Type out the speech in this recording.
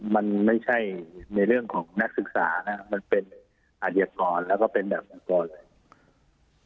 มันไม่ใช่ในเรื่องของนักศึกษานะครับมันเป็นอาชญากรแล้วก็เป็นแบบมังกรเลย